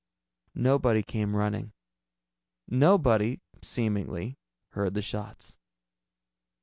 Nobody came running. Nobody, seemingly, heard the shots.